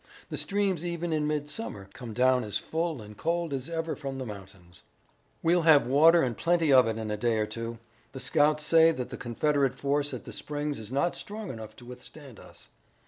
The streams even in midsummer come down as full and cold as ever from the mountains." "We'll have water and plenty of it in a day or two. The scouts say that the Confederate force at the springs is not strong enough to withstand us."